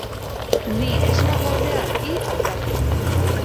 Ni ez nagoenean, hi alkate.